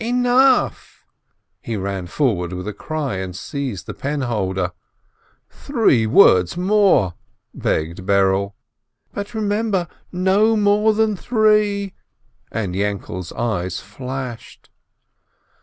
"Enough !" He ran forward with a cry, and seized the penholder. "Three words more !" begged Berele. "But remember, not more than three !" and Yainkele's eyes flashed.